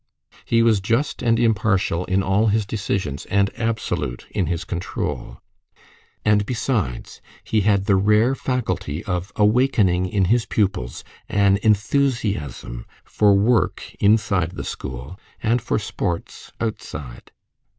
He was just and impartial in all his decisions, and absolute in his control; and besides, he had the rare faculty of awakening in his pupils an enthusiasm for work inside the school and for sports outside.